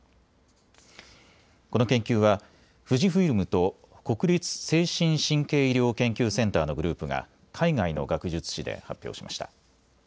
この研究は富士フイルムと国立精神・神経医療研究センターのグループが海外の学術誌で発表しました。